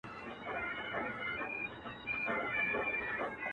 پېښه ټول کلي لړزوي ډېر